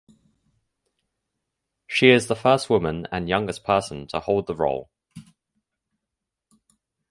She is the first woman and youngest person to hold the role.